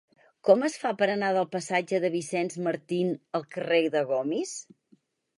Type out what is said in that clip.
Com es fa per anar del passatge de Vicent Martín al carrer de Gomis?